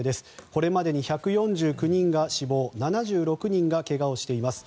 これまでに１４９人が死亡７６人がけがをしています。